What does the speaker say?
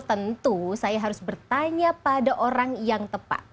tentu saya harus bertanya pada orang yang tepat